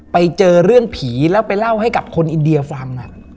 ไปเจอเรื่องผีแล้วไปเล่าให้กับคนอินเดียฟัง